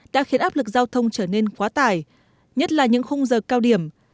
đã khiến áp lực giao thông trở nên khóa tài nhất là những khung giờ cao điểm